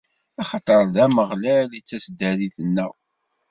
Axaṭer d Ameɣlal i d taseddarit-nneɣ.